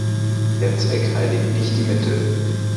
Der Zweck heiligt nicht die Mittel.